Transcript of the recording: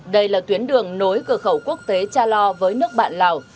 đây là tuyến đường nối cửa khẩu quốc tế cha lo với nước bạn lào